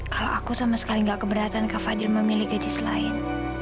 kalau aku sama sekali nggak keberatan kak fadil memilih gadis lain